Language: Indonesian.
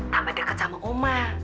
tambah deket sama oma